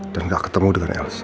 dan gak ketemu dengan elsa